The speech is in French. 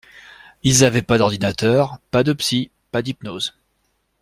Ils avaient pas d’ordinateurs, pas de psy, pas d’hypnose.